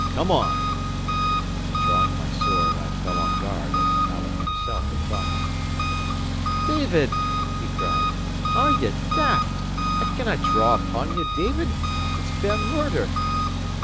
Come on!" And drawing my sword, I fell on guard as Alan himself had taught me. "David!" he cried. "Are ye daft? I cannae draw upon ye, David. It's fair murder."